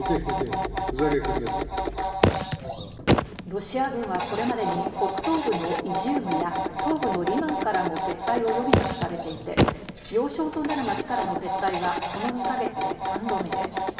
ロシア軍は、これまでに北東部のイジュームや東部のリマンからも撤退を余儀なくされていて、要衝となる町からの撤退はこの２か月で３度目です。